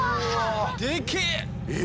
でけえ！